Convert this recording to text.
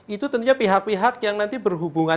itu tentunya pihak pihak yang nanti berhubungan